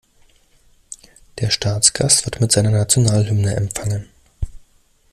Der Staatsgast wird mit seiner Nationalhymne empfangen.